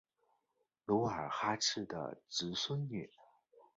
努尔哈赤的侄孙女。